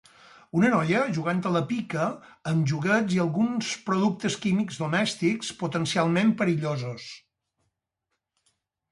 Una noia jugant a la pica amb joguets i alguns productes químics domèstics potencialment perillosos